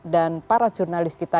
dan para jurnalis kita